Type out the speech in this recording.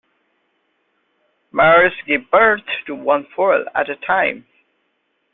Mares give birth to one foal at a time.